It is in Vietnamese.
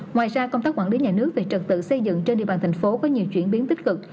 ngoài ra công tác quản lý nhà nước về trật tự xây dựng trên địa bàn thành phố có nhiều chuyển biến tích cực